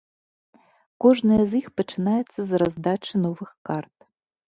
Кожная з іх пачынаецца з раздачы новых карт.